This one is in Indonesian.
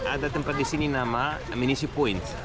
ada tempat di sini yang namanya munisi point